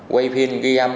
ba quay phim ghi âm